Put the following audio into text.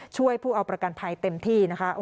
ผู้เอาประกันภัยเต็มที่นะคะ